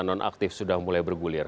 nonaktif sudah mulai bergulir